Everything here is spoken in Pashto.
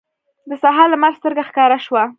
د سهار لمر سترګه ښکاره شوه.